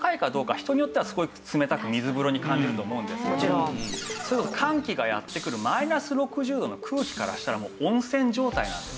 人によってはすごく冷たく水風呂に感じると思うんですけど寒気がやって来るマイナス６０度の空気からしたら温泉状態なんです。